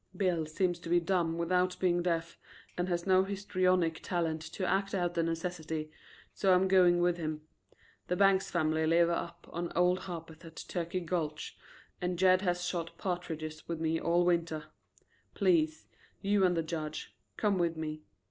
"Bill seems to be dumb without being deaf and has no histrionic talent to act out the necessity, so I'm going with him. The Bangs family live up on old Harpeth at Turkey Gulch, and Jed has shot partridges with me all winter. Please, you and the Judge, come with me.